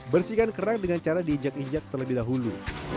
bersihkan kerang dengan cara diinjak injak terlebih dahulu